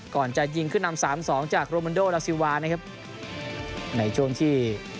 ก่อนจะยิงขึ้นนำสามสองจากโรมันโดราซิวานะครับในช่วงที่